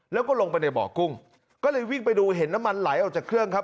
แล้วก็ลงไปในบ่อกุ้งก็เลยวิ่งไปดูเห็นน้ำมันไหลออกจากเครื่องครับ